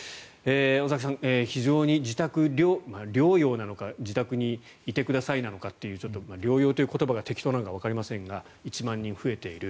尾崎さん、非常に自宅療養療養なのか自宅にいてくださいなのかちょっと療養という言葉が適当なのかわかりませんが１万人増えている。